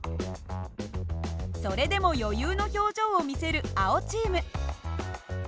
それでも余裕の表情を見せる青チーム。